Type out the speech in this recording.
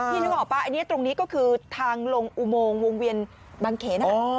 นึกออกป่ะอันนี้ตรงนี้ก็คือทางลงอุโมงวงเวียนบางเขน